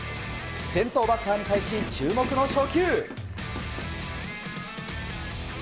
先頭バッターに対し注目の初球。